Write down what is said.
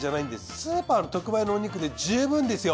スーパーの特売のお肉で十分ですよ。